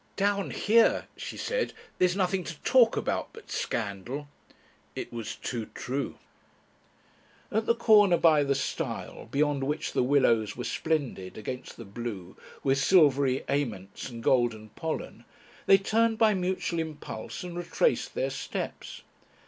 "Down here," she said, "there's nothing to talk about but scandal." It was too true. At the corner by the stile, beyond which the willows were splendid against the blue with silvery aments and golden pollen, they turned by mutual impulse and retraced their steps.